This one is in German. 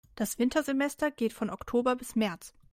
Das Wintersemester geht von Oktober bis März.